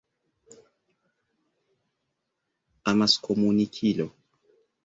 amaskomunikilo